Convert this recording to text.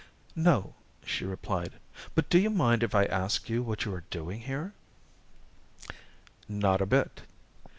"No," she replied, "but do you mind if I ask you what you are doing here?" "Not a bit."